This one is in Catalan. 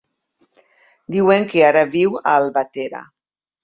Diuen que ara viu a Albatera.